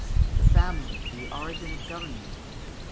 The Family the Origin of Government.